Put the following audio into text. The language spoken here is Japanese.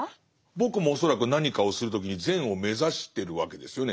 僕も恐らく何かをする時に善を目指してるわけですよね